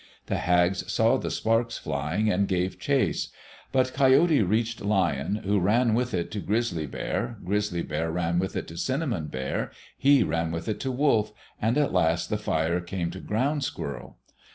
The hags saw the sparks flying and gave chase. But Coyote reached Lion, who ran with it to Grizzly Bear. Grizzly Bear ran with it to Cinnamon Bear; he ran with it to Wolf, and at last the fire came to Ground Squirrel.